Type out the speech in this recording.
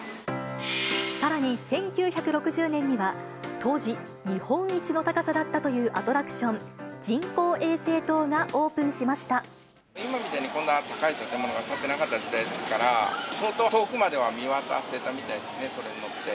さらに、１９６０年には、当時、日本一の高さだったというアトラクション、今みたいに、こんな高い建物が建っていなかった時代ですから、相当、遠くまでは見渡せたみたいですね、それに乗って。